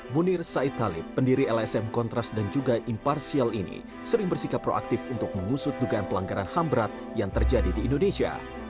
munir said talib pendiri lsm kontras dan juga imparsial ini sering bersikap proaktif untuk mengusut dugaan pelanggaran ham berat yang terjadi di indonesia